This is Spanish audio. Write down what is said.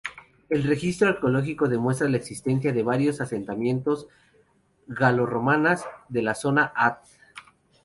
El registro arqueológico demuestra la existencia de varios asentamientos galo-romanas de la zona Ath.